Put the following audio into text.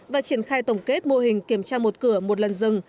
và triển khai tổng kết mô hình kiểm tra một cửa một lần rừng